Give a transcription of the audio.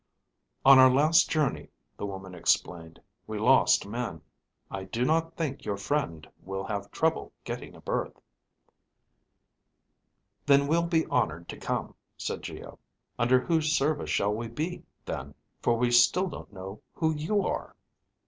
"On our last journey," the woman explained, "we lost men. I do not think your friend will have trouble getting a berth." "Then we'll be honored to come," said Geo. "Under whose service shall we be, then, for we still don't know who you are?"